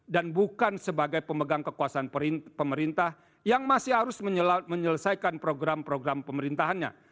dan bukan sebagai pemegang kekuasaan pemerintah yang masih harus menyelesaikan program program pemerintahannya